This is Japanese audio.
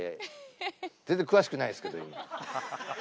全然詳しくないですけど今。